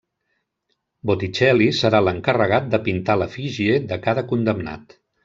Botticelli serà l'encarregat de pintar l'efígie de cada condemnat.